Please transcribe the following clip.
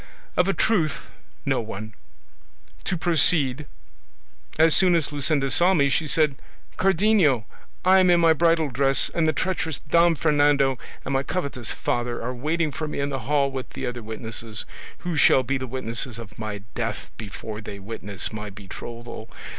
Of a truth no one. To proceed: as soon as Luscinda saw me she said, 'Cardenio, I am in my bridal dress, and the treacherous Don Fernando and my covetous father are waiting for me in the hall with the other witnesses, who shall be the witnesses of my death before they witness my betrothal.